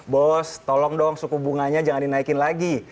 bos tolong dong suku bunganya jangan dinaikin lagi